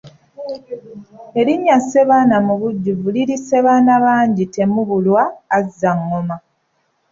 Erinnya Ssebaana mubujjuvu liri ssebaana bangi temubulwa azza ngoma.